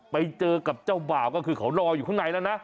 ไปเจอกับเจ้าบ่าวก็คือเขารออยู่ข้างในแล้วนะ